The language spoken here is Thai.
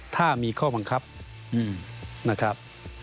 ถ้ามีข้อบังคับนะครับ